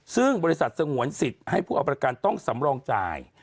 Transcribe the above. ซึ่งบริษัทสงวนสิทธิ์ให้ผู้เอาประกันต้องสำรองจ่าย